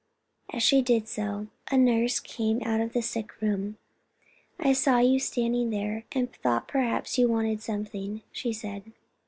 As she did so, a nurse came out of the sick room. "I saw you standing there, and thought perhaps you wanted something," she said.